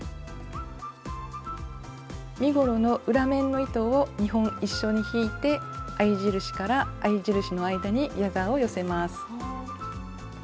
身ごろの裏面の糸を２本一緒に引いて合い印から合い印の間にギャザーを寄せます。